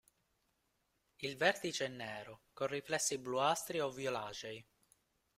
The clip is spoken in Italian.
Il vertice è nero, con riflessi bluastri o violacei.